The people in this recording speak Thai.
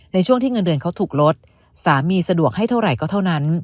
ในช่วงที่เงินเดือนเขาถูกลดสามีสะดวกให้เท่าไหร่ก็เท่านั้น